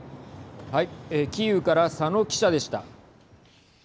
キーウから佐野記者でした。